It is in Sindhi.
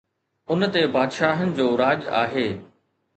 ان تي بادشاهن جو راڄ آهي.